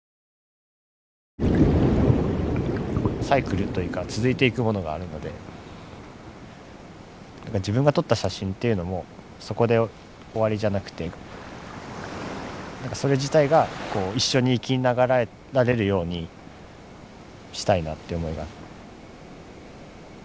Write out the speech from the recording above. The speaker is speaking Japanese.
サイクルというか続いていくものがあるので自分が撮った写真っていうのもそこで終わりじゃなくてそれ自体が一緒に生き長らえられるようにしたいなって思います。